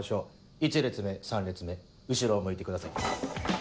１列目３列目後ろを向いてください。